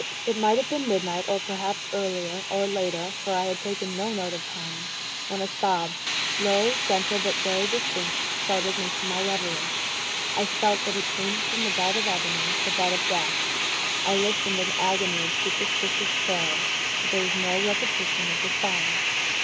It might have been midnight, or perhaps earlier, or later, for I had taken no note of time, when a sob, low, gentle, but very distinct, startled me from my revery. I felt that it came from the bed of ebony the bed of death. I listened in an agony of superstitious terror but there was no repetition of the sound.